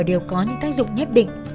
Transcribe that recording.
đều có những tác dụng nhất định